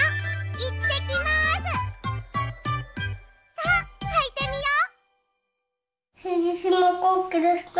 さあはいてみよう！